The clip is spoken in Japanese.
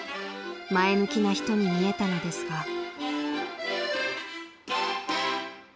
［前向きな人に見えたのですが］